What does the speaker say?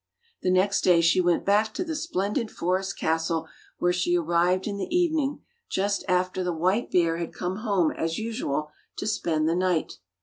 The next day she went back to the splen did forest castle where she arrived in the evening just after the white bear had come home as usual to spend the night.